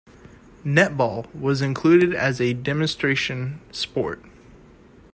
Netball was included as a demonstration sport.